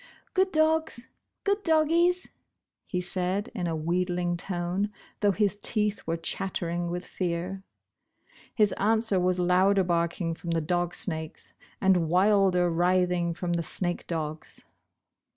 "Good dogs, good doggies," he said, in a wheedling tone, though his teeth were chattering with fear. His answer was louder barking from the dog snakes, and wilder writhing from the snake dogs.